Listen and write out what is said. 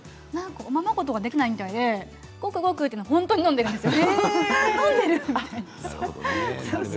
おままごとができないみたいでごくごくと本当に飲んでいるんですよ。